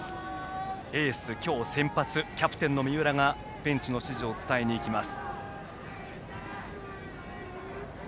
エース、今日先発のキャプテンの三浦がベンチの指示を伝えに行きます。